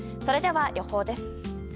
それでは、予報です。